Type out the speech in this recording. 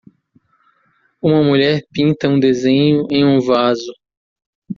Uma mulher pinta um desenho em um vaso.